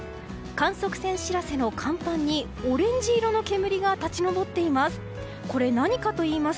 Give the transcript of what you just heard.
観測船「しらせ」の甲板にオレンジ色の煙が立ち上っています。